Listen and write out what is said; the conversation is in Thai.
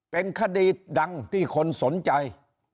เป็นคดีดังที่คนสนใจ